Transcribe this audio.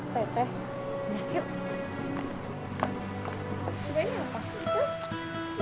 teh teh yuk yuk